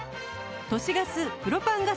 都市ガスプロパンガス